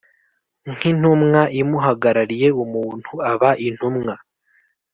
nk intumwa imuhagarariye Umuntu aba intumwa